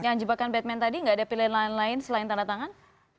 yang jebakan batman tadi nggak ada pilihan lain lain selain tanda tangan